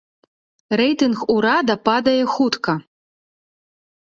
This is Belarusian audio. Рэйтынг урада падае хутка.